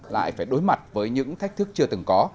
lại phải đối mặt với những thách thức chưa từng có